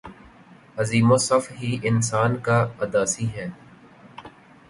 عظیم وصف ہی انسان کا اداسی ہے